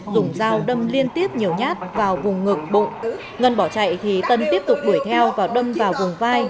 dùng dao đâm liên tiếp nhiều nhát vào vùng ngực bụng ngân bỏ chạy thì tân tiếp tục đuổi theo và đâm vào vùng vai